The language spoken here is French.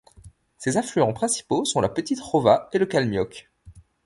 Ses affluents principaux sont la Petite Rova et le Kalmiyok.